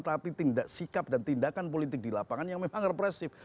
tapi sikap dan tindakan politik di lapangan yang memang represif